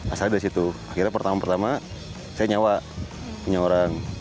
asalnya dari situ akhirnya pertama pertama saya nyawa punya orang